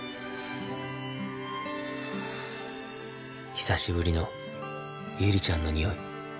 久しぶりのゆりちゃんのにおい